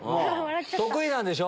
得意なんでしょ。